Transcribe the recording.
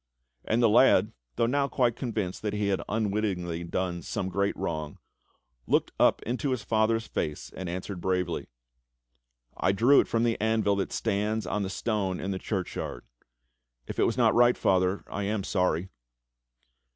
And the lad, though now quite convinced that he had unwittingly done some great wrong, looked up into his father's face and answered bravely: "I drew it from the anvil that stands on the stone in the church yard. If it was not right. Father, I am sorry."